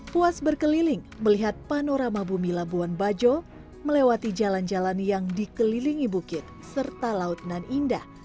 puas berkeliling melihat panorama bumi labuan bajo melewati jalan jalan yang dikelilingi bukit serta laut nan indah